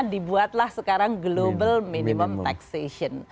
dibuatlah global minimum taxation